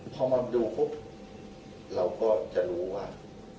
พอมาดูเราก็จะรู้ว่า